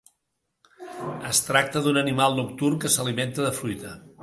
Es tracta d'un animal nocturn que s'alimenta de fruita.